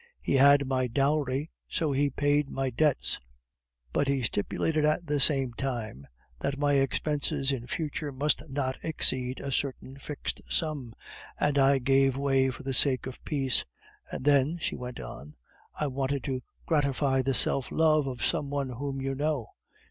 He had my dowry, so he paid my debts, but he stipulated at the same time that my expenses in future must not exceed a certain fixed sum, and I gave way for the sake of peace. And then," she went on, "I wanted to gratify the self love of some one whom you know.